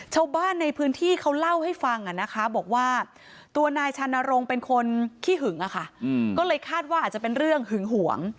ชาวบ้านในพื้นที่เขาเล่าให้ฟังนะคะบอกว่าตัวนายชานรงค์เป็นคนขี้หึงอะค่ะก็เลยคาดว่าอาจจะเป็นเรื่องหึงหวง